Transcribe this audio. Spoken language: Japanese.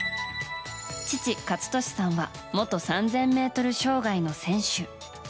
父・健智さんは元３０００ｍ障害の選手。